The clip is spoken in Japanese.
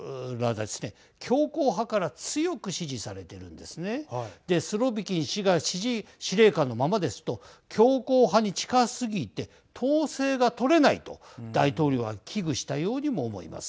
で、スロビキン氏が指示司令官のままですと強硬派に近すぎて統制が取れないと大統領は危惧したようにも思います。